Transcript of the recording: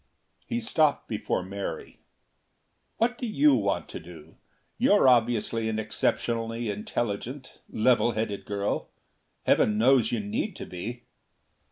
He stopped before Mary. "What do you want to do? You're obviously an exceptionally intelligent, level headed girl. Heaven knows you need to be."